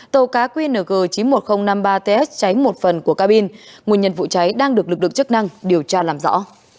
tàu cá qng chín mươi một nghìn năm mươi ba ts cháy một phần của cabin nguồn nhân vụ cháy đang được lực lượng chức năng điều tra làm rõ